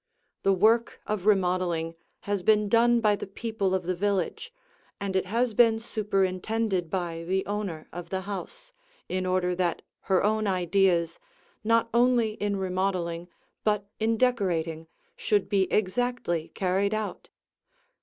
The work of remodeling has been done by the people of the village, and it has been superintended by the owner of the house, in order that her own ideas, not only in remodeling, but in decorating, should be exactly carried out.